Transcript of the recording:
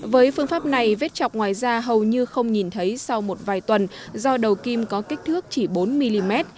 với phương pháp này vết chọc ngoài da hầu như không nhìn thấy sau một vài tuần do đầu kim có kích thước chỉ bốn mm